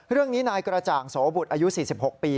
เรื่องนี้นายกระจ่างโสบุตรอายุ๔๖ปี